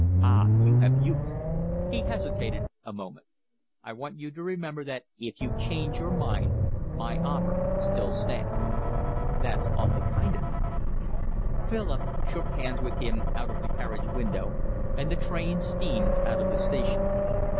Ah, you have youth." He hesitated a moment. "I want you to remember that if you change your mind my offer still stands." "That's awfully kind of you." Philip shook hands with him out of the carriage window, and the train steamed out of the station.